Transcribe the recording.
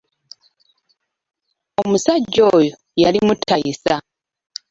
Omusajja oyo yali mutayisa.